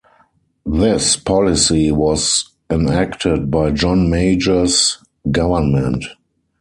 This policy was enacted by John Major's government.